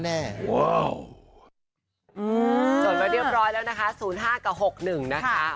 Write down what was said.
จดมาเรียบร้อยแล้วนะคะ๐๕กับ๖๑นะคะ